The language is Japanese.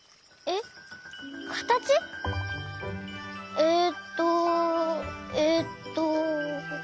えっとえっと。